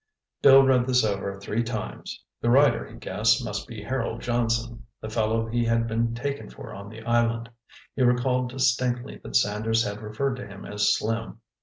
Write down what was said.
Bill read this over three times. The writer, he guessed, must be Harold Johnson, the fellow he had been taken for on the island. He recalled distinctly that Sanders had referred to him as "Slim."